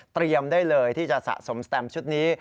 ได้เลยที่จะสะสมสแตมชุดนี้